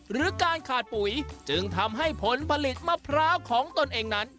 หรือการขาดปุ๋ยจึงทำให้ผลผลิตมะพร้าวของตนเองนั้น